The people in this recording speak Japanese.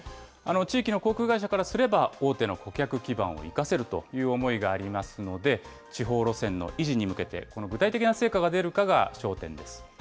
地域の航空会社からすれば、大手の顧客基盤を生かせるという思いがありますので、地方路線の維持に向けて、この具体的な成果が出るかが焦点です。